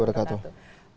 waalaikumsalam wr wb